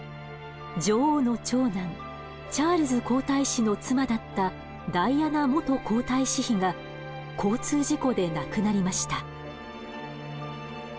女王の長男チャールズ皇太子の妻だったダイアナ元皇太子妃が交通事故で亡くなりました。